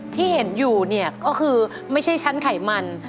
ที่เห็นอยู่เนี่ยก็คือไม่ใช่ชั้นไขมัน